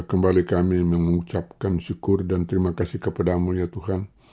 kembali kami mengucapkan syukur dan terima kasih kepada mu ya tuhan